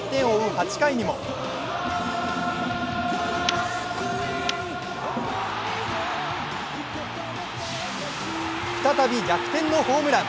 ８回にも再び逆転のホームラン。